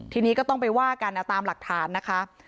ทีนี้ก็ต้องไปว่ากันตามหลักฐานนะคะ